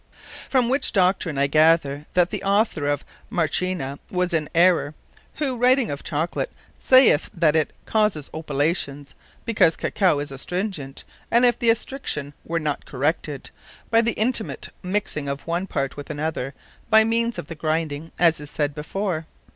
From which doctrine I gather, that the Author of Marchena, was in an errour, who, writing of Chocolate, saith that it causeth Opilations, because Cacao is astringent; as if that astriction were not corrected, by the intimate mixing of one part with another, by meanes of the grinding, as is said before.